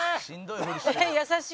「優しい。